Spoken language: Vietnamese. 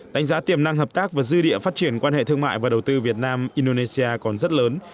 đánh giá tiềm năng hợp tác và dư địa phát triển quan hệ thương mại và đầu tư việt nam indonesia còn rất lớn